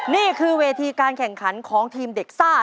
นี่คือเวทีการแข่งขันของทีมเด็กซ่า